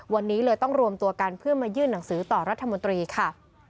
วันนี้เลยต้องรวมตัวกันเพื่อมายื่นหนังสือต่อรัฐมนตรีค่ะ